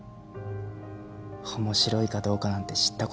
面白いかどうかなんて知ったこっちゃない。